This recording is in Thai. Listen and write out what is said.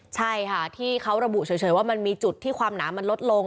ใช่ค่ะที่เขาระบุเฉยว่ามันมีจุดที่ความหนามันลดลง